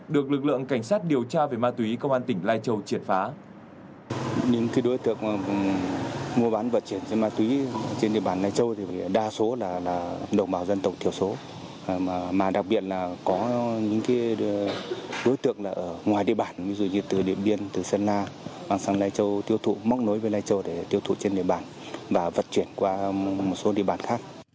được lực lượng cảnh sát điều tra về ma túy công an tỉnh lai châu triệt phá